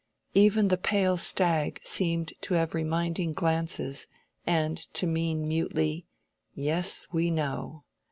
Even the pale stag seemed to have reminding glances and to mean mutely, "Yes, we know."